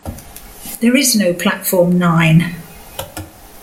There is no platform nine.